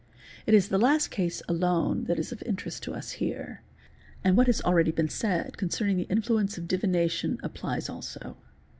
It is the last case alone that is of interest to us here, and what has already been said concerning the influence of divination applies also.